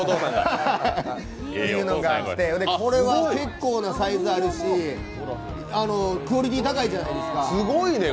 これは結構なサイズあるしクオリティー高いじゃないですか。